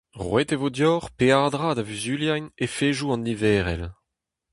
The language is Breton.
Roet e vo deoc'h peadra da vuzuliañ efedoù an niverel.